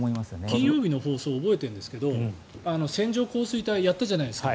金曜日の放送覚えているんですが線状降水帯をやったじゃないですか。